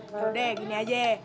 yaudah gini aja